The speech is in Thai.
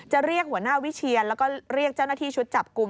เรียกหัวหน้าวิเชียนแล้วก็เรียกเจ้าหน้าที่ชุดจับกลุ่ม